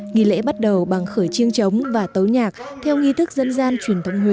nghi lễ bắt đầu bằng khởi chiêng trống và tấu nhạc theo nghi thức dân gian truyền thống huế